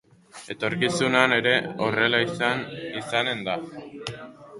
Etorkizunean ere horrela izanen da.